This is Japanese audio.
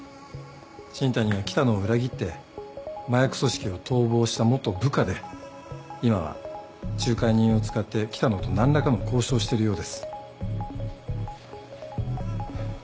新谷は喜多野を裏切って麻薬組織を逃亡した元部下で今は仲介人を使って喜多野と何らかの交渉をしてるようです。